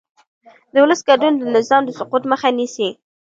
د ولس ګډون د نظام د سقوط مخه نیسي